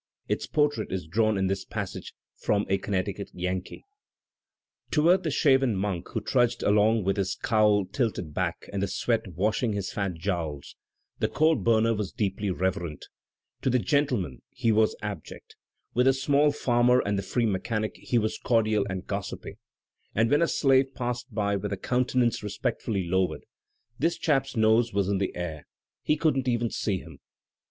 Its portrait is drawn in this passage from "A Connecticut Yankee": Toward the shaven monk who trudged along with his cowl tilted back and the sweat washing his fat jowls, the coal burner was deeply reverent; to the gentieman he was abject; with the small farmer and the free mechanic he was cordial and gossipy; and when a slave passed by with a countenance respectfully lowered, this chap's nose was in the air — he couldn't even see him.